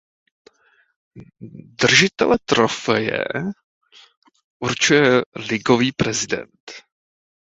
Držitele trofeje určuje ligový prezident.